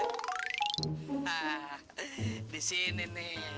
hah di sini nih